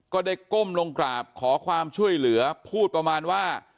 ก้มลงกราบขอความช่วยเหลือพูดประมาณว่า